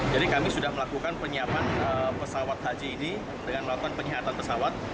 jadi kami sudah melakukan penyiapan pesawat haji ini dengan melakukan penyiapan pesawat